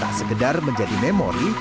tak sekedar menjadi memori